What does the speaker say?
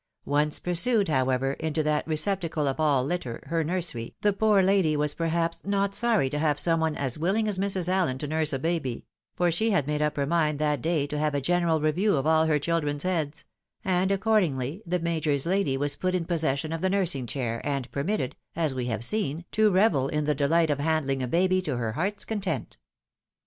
Once pursued, however, into that receptacle of all litter, her nursery, the poor lady was perhaps not sorry to have some one as willing as Mrs. Alien to nurse a baby — for she had made up her mind that day to have a general review of aU her children's heads ; and accordingly the major's lady was put in possession of the nursing chair, and permitted, as we have seen, to revel in the delight of handling a baby to her heart's content.